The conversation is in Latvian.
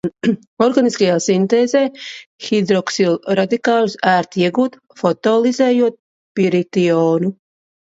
Organiskajā sintēzē hidroksilradikāļus ērti iegūt, fotolizējot piritionu.